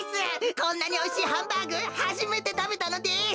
こんなにおいしいハンバーグはじめてたべたのです。